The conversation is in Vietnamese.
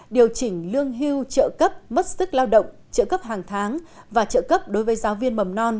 một trăm năm mươi năm điều chỉnh lương hưu trợ cấp mất sức lao động trợ cấp hàng tháng và trợ cấp đối với giáo viên mầm non